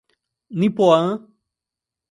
Nipoã